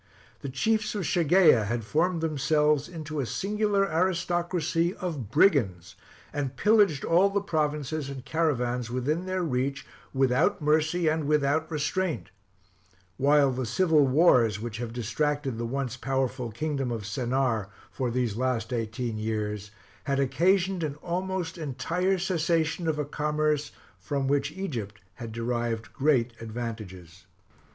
The chiefs of Shageia had formed themselves into a singular aristocracy of brigands, and pillaged all the provinces and caravans within their reach, without mercy and without restraint; while the civil wars, which have distracted the once powerful kingdom of Sennaar for these last eighteen years, had occasioned an almost entire cessation of a commerce, from which Egypt had derived great advantages.